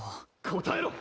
・答えろ！